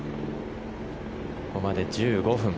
ここまで１５分。